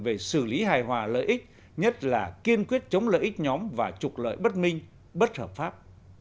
về xử lý hài hòa lợi ích nhất là kiên quyết chống lợi ích nhóm và trục lợi bất minh bất hợp pháp